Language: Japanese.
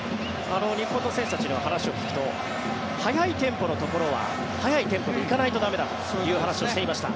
日本の選手たちの話を聞くと速いテンポのところは速いテンポで行かないと駄目だという話をしていました。